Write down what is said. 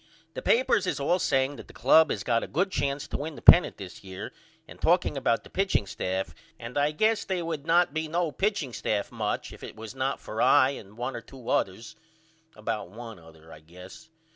The papers is all saying that the club has got a good chance to win the pennant this year and talking about the pitching staff and I guess they would not be no pitching staff much if it was not for I and one or two others about one other I guess.